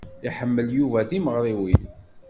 Iḥemmel Yuba timeɣṛiwin.